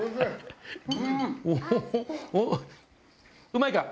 うまいか？